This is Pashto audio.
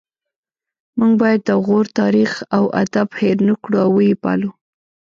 موږ باید د غور تاریخ او ادب هیر نکړو او ويې پالو